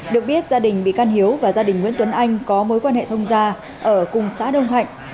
được biết gia đình bị can hiếu và gia đình nguyễn tuấn anh có mối quan hệ thông gia ở cùng xã đông thạnh